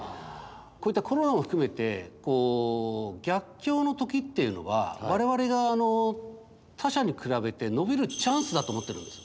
こういったコロナも含めてこう逆境の時っていうのは我々が他社に比べて伸びるチャンスだと思ってるんです。